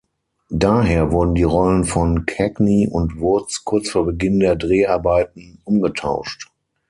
Daher wurden die Rollen von Cagney und Woods kurz vor Beginn der Dreharbeiten umgetauscht.